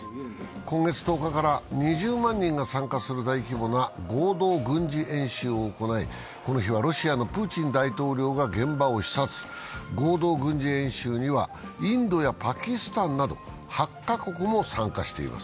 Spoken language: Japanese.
今月１０日から２０万人が参加する大規模な合同軍事演習を行い、この日はロシアのプーチン大統領が現場を視察、合同軍事演習にはインドやパキスタンなど８カ国も参加しています。